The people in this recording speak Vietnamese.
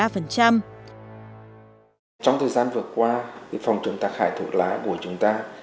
phòng trưởng tác hại thuốc lá của chúng ta